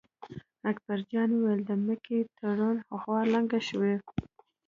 اکبر جان وېل: د مکۍ ترور غوا لنګه شوې.